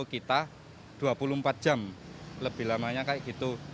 kita dua puluh empat jam lebih lamanya kayak gitu